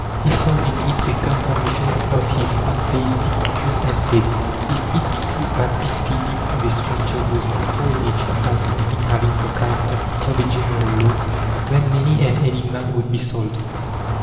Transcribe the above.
He saw in it a confirmation of his pantheistic views, and said: "If it be true that this feeding of a stranger goes through all Nature as something having the character of a general law then many an enigma would be solved."